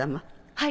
はい。